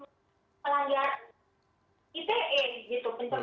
gitu jadi kita bisa mencari pasal pasal karet